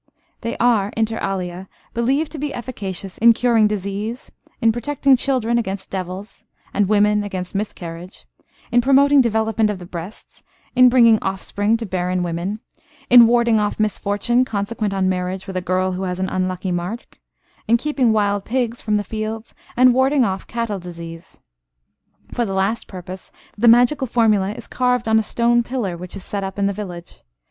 They are, inter alia, believed to be efficacious in curing disease, in protecting children against devils, and women against miscarriage, in promoting development of the breasts, in bringing offspring to barren women, in warding off misfortune consequent on marriage with a girl who has an unlucky mark, in keeping wild pigs from the fields, and warding off cattle disease. For the last purpose, the magical formula is carved on a stone pillar, which is set up in the village.